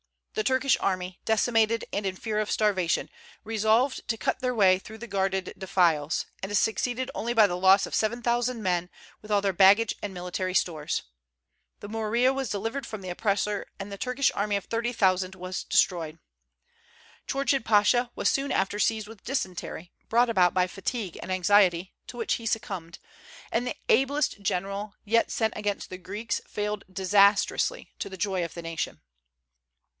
The Turkish army, decimated and in fear of starvation, resolved to cut their way through the guarded defiles, and succeeded only by the loss of seven thousand men, with all their baggage and military stores. The Morea was delivered from the oppressor, and the Turkish army of thirty thousand was destroyed. Chourchid Pasha was soon after seized with dysentery, brought about by fatigue and anxiety, to which he succumbed; and the ablest general yet sent against the Greeks failed disastrously, to the joy of the nation.